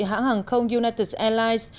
hãng hàng không united airlines